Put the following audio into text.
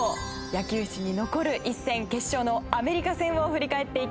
野球史に残る一戦決勝のアメリカ戦を振り返っていきましょう。